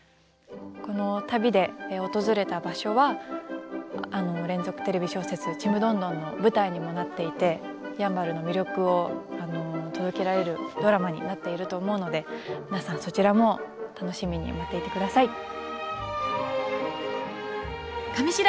この旅で訪れた場所は連続テレビ小説「ちむどんどん」の舞台にもなっていてやんばるの魅力を届けられるドラマになっていると思うので皆さんそちらも楽しみに待っていてください。